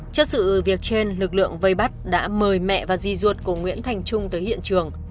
trước sự việc trên lực lượng vây bắt đã mời mẹ và di ruột của nguyễn thành trung tới hiện trường